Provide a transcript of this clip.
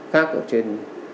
khác ở trên